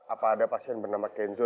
apa ada pasien bernama kenzo